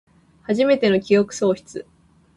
はじめての記憶喪失